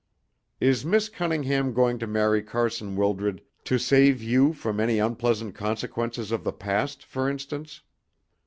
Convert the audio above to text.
Is Miss Cunningham going to marry Carson Wildred to save you from any unpleasant consequences of the past, for instance?"